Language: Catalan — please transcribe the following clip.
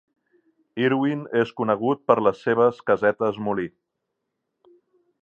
Irwin és conegut per les seves casetes molí.